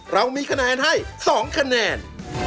เรามีคะแนนให้๒คะแนน